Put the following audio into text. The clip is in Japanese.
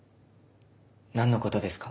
何のことですか？